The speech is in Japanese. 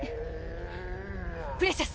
プレシャス！